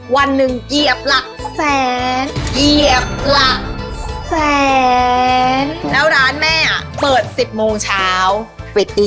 วันหนึ่งเหยียบหลักแสนเหยียบหลักแสนแล้วร้านแม่เปิด๑๐โมงเช้าปิดตี๓